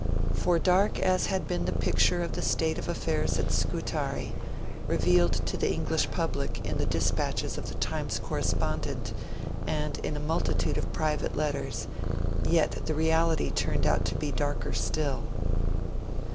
For dark as had been the picture of the state of affairs at Scutari, revealed to the English public in the dispatches of "The Times Correspondent", and in a multitude of private letters, yet the reality turned out to be darker still.